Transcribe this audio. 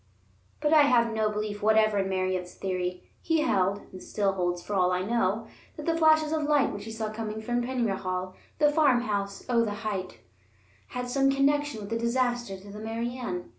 But I have no belief whatever in Merritt's theory. He held (and still holds, for all I know), that the flashes of light which he saw coming from Penyrhaul, the farmhouse on the height, had some connection with the disaster to the Mary Ann.